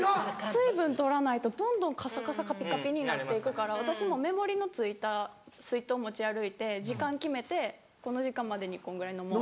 水分取らないとどんどんカサカサカピカピになっていくから私もメモリのついた水筒持ち歩いて時間決めてこの時間までにこんぐらい飲もう。